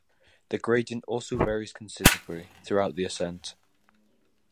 The gradient also varies considerably throughout the ascent.